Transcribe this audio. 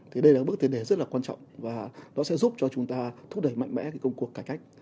thì đây là bước tiến đề rất là quan trọng và nó sẽ giúp cho chúng ta thúc đẩy mạnh mẽ công cuộc cải cách